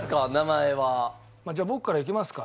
じゃあ僕からいきますか。